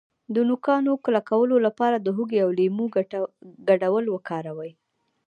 د نوکانو کلکولو لپاره د هوږې او لیمو ګډول وکاروئ